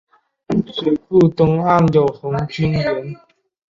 水库东岸有红军岩。